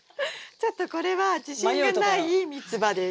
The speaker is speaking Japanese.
ちょっとこれは自信がないミツバです。